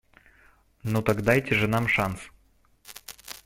Ну так дайте же нам шанс.